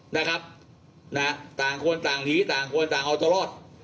นะครับนะต่างคนต่างหนีต่างคนต่างเอาตัวรอด